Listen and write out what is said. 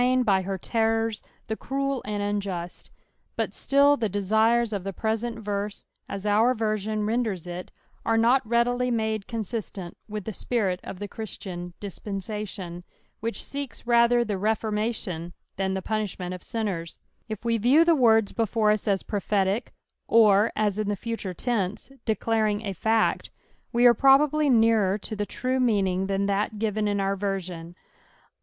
restnin by her terrora the cruel and anjust ; but still the desires of the present verse, as our Tersion renders it, are not reEtdily mode consistent with the ipirit uf the ChristiBD diBpens&tion, which seeks rather the refonnation than the puulah ment of sinners. If we riew the words before us as prophetic, or as in the future tense, declaring a fact, we are probably nearer to the true meaning than that fiven !□ our version.